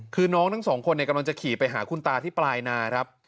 คือน้องนั้น๒คนเนี่ยกำลังจะขี่ไปผ่านคุณตาที่ปลายนะครับ